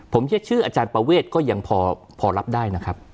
ผมเชื่อชื่ออาจารย์ประเวทก็ยังพอรับได้นะครับ